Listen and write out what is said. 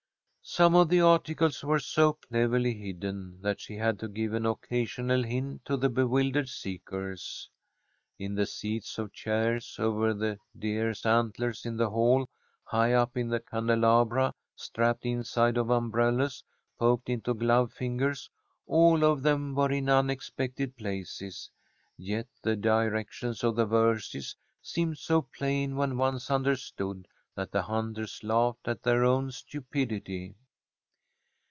Some of the articles were so cleverly hidden that she had to give an occasional hint to the bewildered seekers. In the seats of chairs, over the deer's antlers in the hall, high up in the candelabra, strapped inside of umbrellas, poked into glove fingers, all of them were in unexpected places. Yet the directions of the verses seemed so plain when once understood that the hunters laughed at their own stupidity.